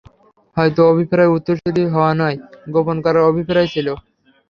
হয়তো অভিপ্রায় উত্তরসূরি হওয়া নয়, গোপন করার অভিপ্রায় ছিল।